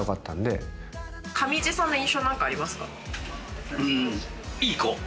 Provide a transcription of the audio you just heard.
上地さんの印象は何かありますか？